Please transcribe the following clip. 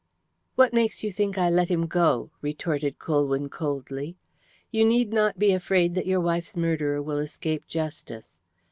"What makes you think I let him go?" retorted Colwyn coldly. "You need not be afraid that your wife's murderer will escape justice.